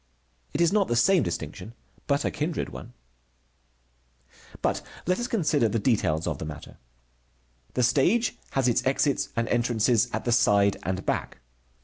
It is not the same distinction, but a kindred one. But let us consider the details of the matter. The stage has its exits and entrances at the side and back.